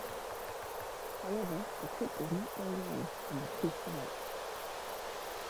However, the trip does not go well and the two fight.